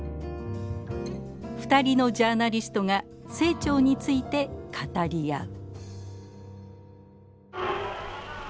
二人のジャーナリストが清張について語り合う。